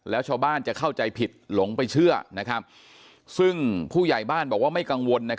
แล้วชาวบ้านจะเข้าใจผิดหลงไปเชื่อซึ่งผู้ใหญ่บ้านบอกว่าไม่กังวล